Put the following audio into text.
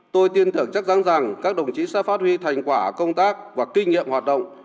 tôi tiên thưởng chắc rắn rằng các đồng chí sẽ phát huy thành quả công tác và kinh nghiệm hoạt động